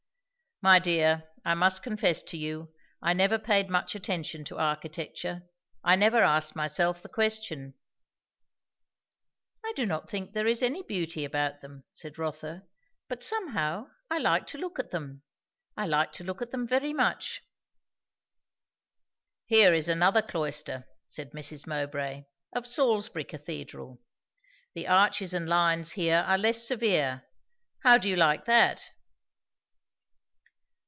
"My dear, I must confess to you, I never paid much attention to architecture. I never asked myself the question." "I do not think there is any beauty about them," said Rotha; "but somehow I like to look at them. I like to look at them very much." "Here is another cloister," said Mrs. Mowbray; "of Salisbury cathedral. The arches and lines here are less severe. How do you like that?"